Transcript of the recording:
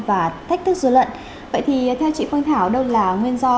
và thách thức dù lận vậy thì theo chị phương thảo đâu là nguyên do